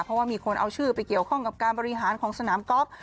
เพราะว่ามีคนเอาชื่อไปเกี่ยวข้องกับการบริหารของสนามกอล์ฟ